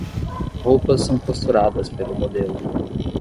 Roupas são costuradas pelo modelo